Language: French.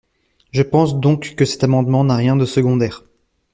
Je pense donc que cet amendement n’a rien de secondaire.